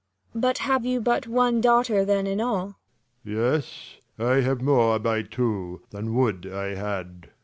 ^' But have you but one daughter then in all ? 135 Lelr. Yes, I have more by two, than would I had.